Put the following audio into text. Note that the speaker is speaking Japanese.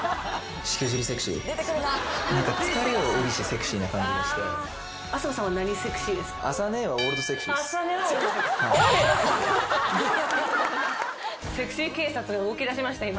セクシー警察が動きだしました今。